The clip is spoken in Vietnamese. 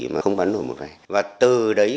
mà không bắn nổi một vài và từ đấy